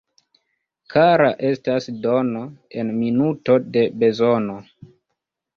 Kara estas dono en minuto de bezono.